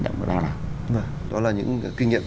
đó là những kinh nghiệm